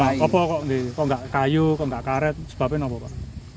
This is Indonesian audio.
bagaimana kalau tidak ada kayu tidak ada karet sebab apa pak